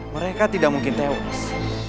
mereka tidak mungkin tewas